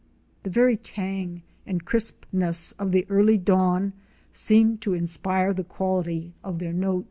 The very tang and crispness of the early dawn seemed to inspire the quality of their notes.